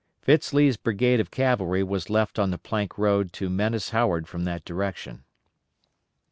Fitz Lee's brigade of cavalry was left on the plank road to menace Howard from that direction.